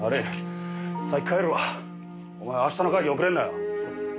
お前明日の会議遅れるなよ。